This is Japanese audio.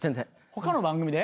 他の番組で？